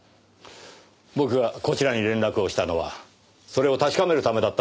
僕がこちらに連絡をしたのはそれを確かめるためだったんですよ。